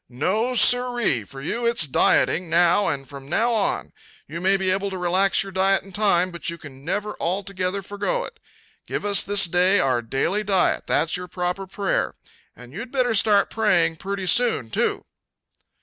"No, sir ree! For you it's dieting, now and from now on. You may be able to relax your diet in time, but you can never altogether forego it. Give us this day our daily diet that's your proper prayer. And you'd better start praying pretty soon, too!"